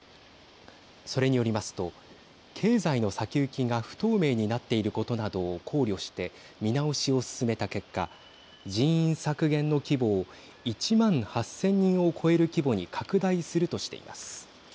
それによりますと経済の先行きが不透明になっていることなどを考慮して見直しを進めた結果人員削減の規模を１万８０００人を超える規模に拡大するとしています。